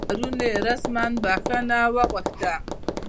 او پرون یې رسما بخښنه وغوښته